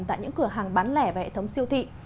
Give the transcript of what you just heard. tại những cửa hàng bán lẻ và hệ thống siêu thị